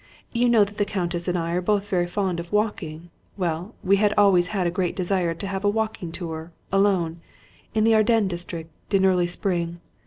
You know that the Countess and I are both very fond of walking well, we had always had a great desire to have a walking tour, alone, in the Ardennes district, in early spring.